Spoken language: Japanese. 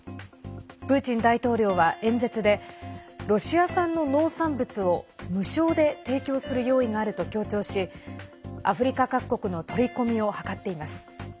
プーチン大統領は演説でロシア産の農産物を、無償で提供する用意があると強調しアフリカ各国の取り込みを図っています。